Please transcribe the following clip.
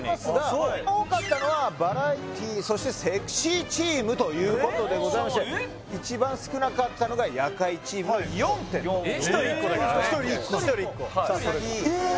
そう多かったのはバラエティそしてセクシーチームということでございまして一番少なかったのが夜会チームの４点えーっ！？